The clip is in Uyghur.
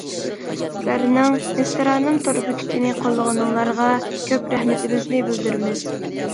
سىلەرنىڭ مىسرانىم تور بېكىتىنى قوللىغىنىڭلارغا كۆپ رەھمىتىمىزنى بىلدۈرىمىز!